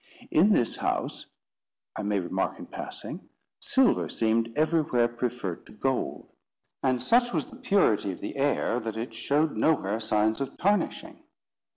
—In this house (I may remark in passing), silver seemed everywhere preferred to gold; and such was the purity of the air, that it showed nowhere signs of tarnishing.